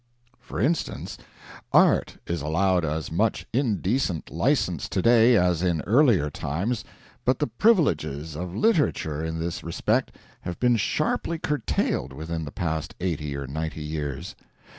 For instance, Art is allowed as much indecent license today as in earlier times but the privileges of Literature in this respect have been sharply curtailed within the past eighty or ninety years.